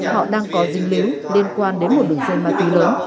họ đang có dịch lý liễu liên quan đến một đường dây ma túy lớn